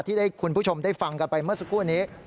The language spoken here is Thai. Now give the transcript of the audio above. ที่ได้คุณผู้ชมได้ฟังกันไปเมื่อสักครู่นี้